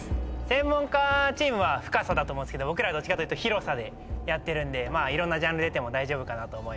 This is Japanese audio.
専門家チームは深さだと思うけど僕らどっちかというと広さでやってるんでいろんなジャンル出ても大丈夫かなと思います。